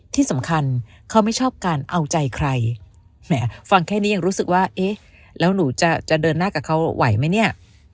ที่สำคัญเขาไม่ชอบการเอาใจใครแหมฟังแค่นี้ยังรู้สึกว่าเอ๊ะแล้วหนูจะเดินหน้ากับเขาไหวไหมเนี่ย